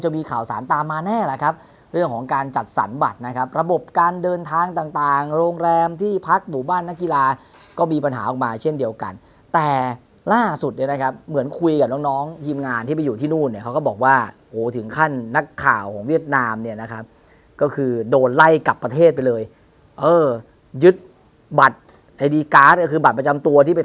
มีข่าวสารตามมาแน่แหละครับเรื่องของการจัดสรรบัตรนะครับระบบการเดินทางต่างต่างโรงแรมที่พักหมู่บ้านนักกีฬาก็มีปัญหาออกมาเช่นเดียวกันแต่ล่าสุดเนี่ยนะครับเหมือนคุยกับน้องน้องทีมงานที่ไปอยู่ที่นู่นเนี่ยเขาก็บอกว่าโอ้ถึงขั้นนักข่าวของเวียดนามเนี่ยนะครับก็คือโดนไล่กลับประเทศไปเลยเออยึดบัตรไอดีการ์ดก็คือบัตรประจำตัวที่ไป